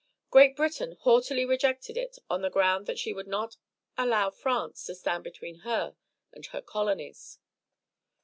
Great Britain haughtily rejected it on the ground that she would not allow France to stand between her and her colonies.